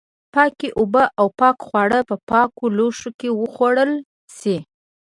پاکې اوبه او پاک خواړه په پاکو لوښو کې وخوړل شي.